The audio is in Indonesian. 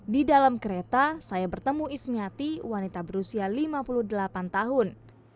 di dalam kereta saya bertemu ismiati wanita berusia lima puluh delapan tahun